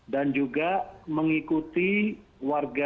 dan juga mengikuti warga